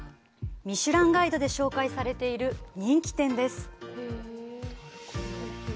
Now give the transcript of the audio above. ミシュランガイドで紹介されている人気店です。